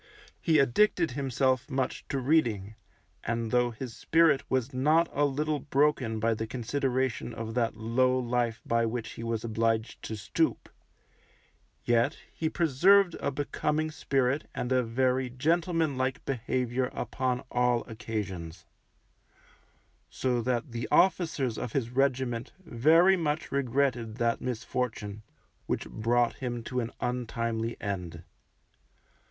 He addicted himself much to reading, and though his spirit was not a little broken by the consideration of that low life by which he was obliged to stoop, yet he preserved a becoming spirit and a very gentleman like behaviour upon all occasions; so that the officers of his regiment very much regretted that misfortune which brought him to an untimely end.